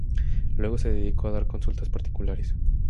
Luego se dedicó a dar consultas particulares.